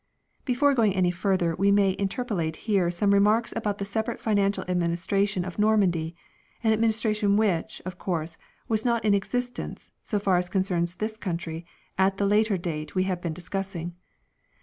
2 The Norman Before going any further we may interpolate here some remarks about the separate financial adminis tration ' of Normandy an administration which, of course, was not in existence, so far as concerns this country, at the later date we have been discussing.